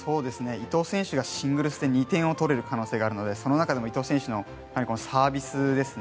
伊藤選手でシングルス戦で２点をとれる可能性があるのでその中でも、伊藤選手のサービスですね。